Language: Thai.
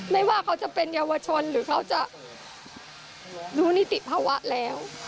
ไม่ว่าเขาจะเป็นเยาวชนหรือเขาจะรู้นิติภาวะแล้ว